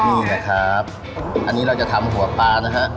นี่นะครับอันนี้เราจะทำหัวปลานะฮะ